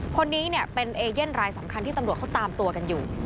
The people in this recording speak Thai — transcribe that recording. คนนี้เนี่ยเป็นเอเย่นรายสำคัญที่ตำรวจเขาตามตัวกันอยู่